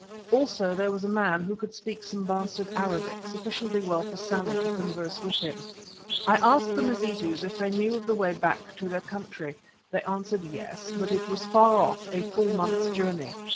Also there was a man who could speak some bastard Arabic, sufficiently well for Sammy to converse with him. I asked the Mazitus if they knew the way back to their country. They answered yes, but it was far off, a full month's journey.